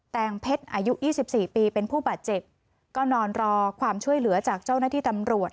แงงเพชรอายุ๒๔ปีเป็นผู้บาดเจ็บก็นอนรอความช่วยเหลือจากเจ้าหน้าที่ตำรวจ